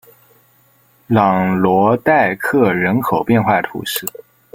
朗罗代克人口变化图示